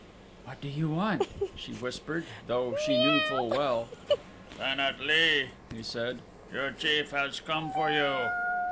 "What do you want?" she whispered, though she knew full well. "Pan at lee," he said, "your chief has come for you."